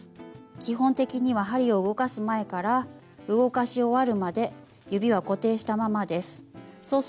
基本的には針を動かす前から動かし終わるまで指は固定したままです。